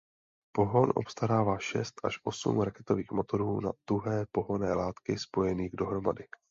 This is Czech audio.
Pohon obstarává šest až osm raketových motorů na tuhé pohonné látky spojených dohromady.